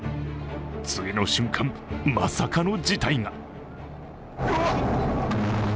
次の瞬間、まさかの事態が。